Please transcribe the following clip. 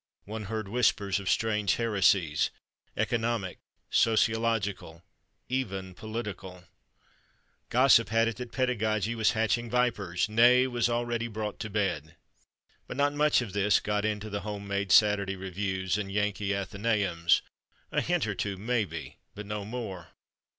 One heard whispers of strange heresies—economic, sociological, even political. Gossip had it that pedagogy was hatching vipers, nay, was already brought to bed. But not much of this got into the home made Saturday Reviews and Yankee Athenæums—a hint or two maybe, but no more.